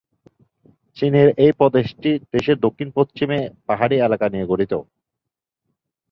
চীনের এই প্রদেশটি দেশের দক্ষিণ পশ্চিমে পাহাড়ি এলাকা নিয়ে গঠিত।